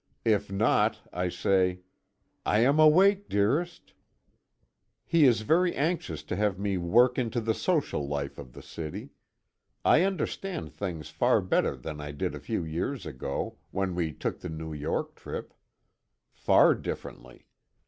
If not I say, "I am awake, dearest." He is very anxious to have me work into the social life of the city. I understand things far better than I did a few years ago, when we took the New York trip. Far differently!